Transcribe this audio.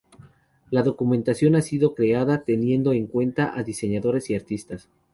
La documentación ha sido creada teniendo en cuenta a diseñadores y artistas.